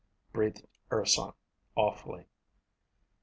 breathed Urson, awfully.